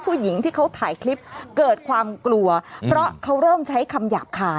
ผู้หญิงที่เขาถ่ายคลิปเกิดความกลัวเพราะเขาเริ่มใช้คำหยาบคาย